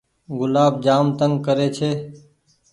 گلآب جآم تنگ ڪري ڇي۔